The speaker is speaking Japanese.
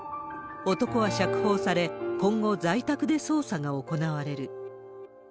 男は釈放され、今後、在宅で捜査が行われる。